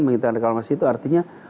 menghentikan reklamasi itu artinya